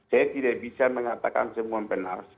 saya tidak bisa mengatakan semua benar